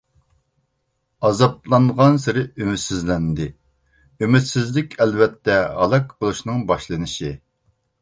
ئازابلانغانسېرى ئۈمىدسىزلەندى. ئۈمىدسىزلىك ئەلۋەتتە ھالاك بولۇشنىڭ باشلىنىشى.